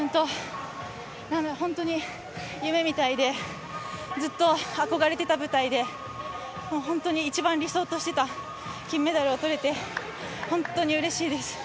本当に夢みたいで、ずっと憧れていた舞台で、本当に一番理想としてた金メダルがとれて、本当にうれしいです。